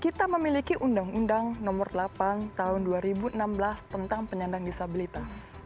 kita memiliki undang undang nomor delapan tahun dua ribu enam belas tentang penyandang disabilitas